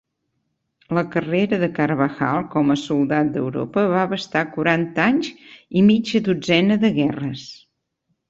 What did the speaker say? La carrera de Carvajal com a soldat a Europa va abastar quaranta anys i mitja dotzena de guerres.